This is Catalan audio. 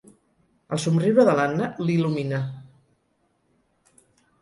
El somriure de l'Anna l'il·lumina.